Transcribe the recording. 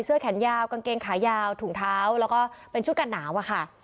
แขนยาวกางเกงขายาวถุงเท้าแล้วก็เป็นชุดกันหนาวอะค่ะ